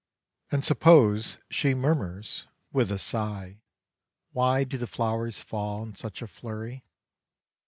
And suppose she murmurs with a X Foreword sigh, '' Why do the flowers fall in such a flurry